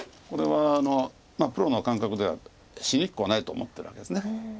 これはプロの感覚では死にっこないと思ってるわけです。